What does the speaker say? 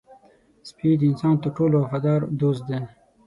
سپي د انسان تر ټولو وفادار دوست دی.